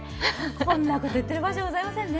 こんなこと言ってる場合じゃありませんね。